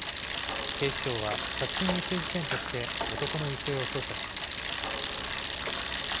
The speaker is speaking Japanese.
警視庁は殺人未遂事件として男の行方を捜査しています。